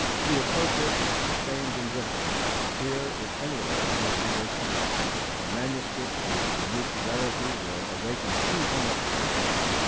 You approach it with feigned indifference; here, if anywhere, will be your prize, a manuscript whose unique rarity will awaken two hemispheres.